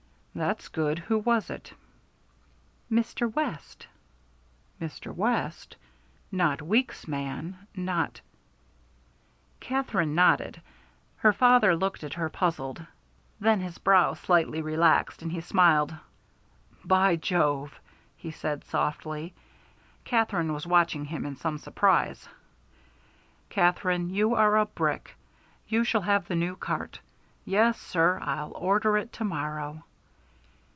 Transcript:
"That's good. Who was it?" "Mr. West." "Mr. West? Not Weeks's man not " Katherine nodded. Her father looked at her puzzled; then his brow slightly relaxed, and he smiled. "By Jove!" he said softly. Katherine was watching him in some surprise. "Katherine, you are a brick. You shall have the new cart. Yes, sir. I'll order it to morrow."